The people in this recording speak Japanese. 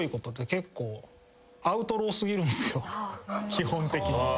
基本的に。